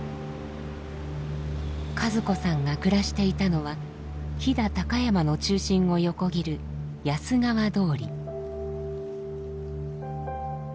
和子さんが暮らしていたのは飛騨高山の中心を横切る「安川通り」。